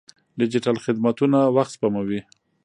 ډیجیټل خدمتونه وخت سپموي.